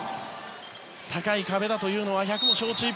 高い壁だというのは百も承知。